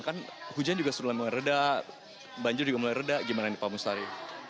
kan hujan juga sudah mulai meredak banjir juga mulai redak gimana pak mustari